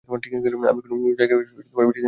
আমি কোনো এক জায়গায় বেশিদিন থাকতেই পারি নি।